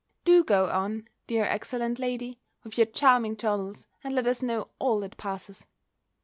Do go on, dear excellent lady, with your charming journals, and let us know all that passes.